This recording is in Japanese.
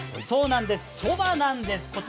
そうなんです、そばなんです。